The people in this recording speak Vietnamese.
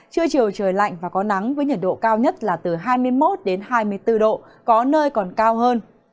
trưa chiều trời lạnh và có nắng với nhiệt độ cao nhất là từ hai mươi một hai mươi bốn độ có nơi còn cao hơn